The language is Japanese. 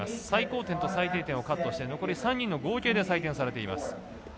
最高点と最低点をカットして残り３人の合計で採点されています。